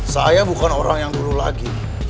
saya bukan orang yang dulu lagi